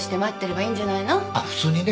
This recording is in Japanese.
あっ普通にね。